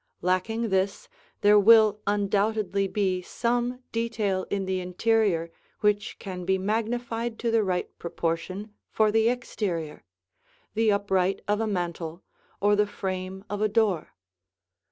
Lacking this, there will undoubtedly be some detail in the interior which can be magnified to the right proportion for the exterior, the upright of a mantel or the frame of a door.